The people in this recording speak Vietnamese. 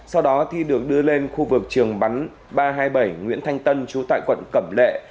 sau đó thi được đưa lên khu vực trường bắn ba trăm hai mươi bảy nguyễn thanh tân chú tại quận cẩm lệ